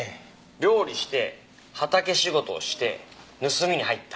料理して畑仕事をして盗みに入った。